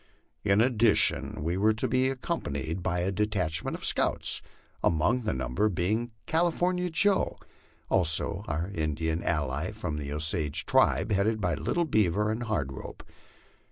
In addition we were to be accompanied by a detachment of scouts, among the number being California Joe ; also our Indian allies from the Osage tribe, headed by Little Beaver and Hard Rope.